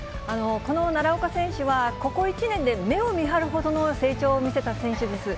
この奈良岡選手は、ここ１年で目をみはるほどの成長を見せた選手です。